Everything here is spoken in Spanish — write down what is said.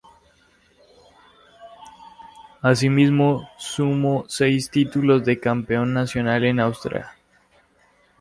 Así mismo, sumó seis títulos de campeón nacional en Austria.